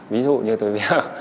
ví dụ như tôi vẽ